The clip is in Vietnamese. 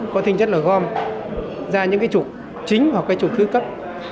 có tinh chất là gom ra những trục chính hoặc trục thứ cấp